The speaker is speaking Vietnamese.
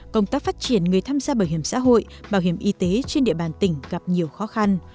công tác phát triển người tham gia bảo hiểm xã hội bảo hiểm y tế trên địa bàn tỉnh gặp nhiều khó khăn